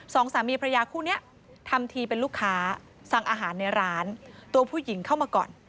สองสามีพระยาคู่นี้ทำทีเป็นลูกค้าสั่งอาหารในร้านตัวผู้หญิงเข้ามาก่อน